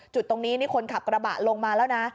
จุดตรงนี้นี่คนขับกระบะลงมาแล้วนะ